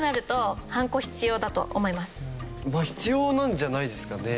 まあ必要なんじゃないですかね。